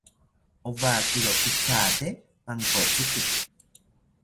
Owakiro pithate pankotziki